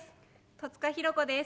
戸塚寛子です。